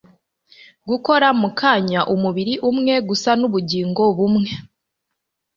Gukora mu kanya umubiri umwe gusa nubugingo bumwe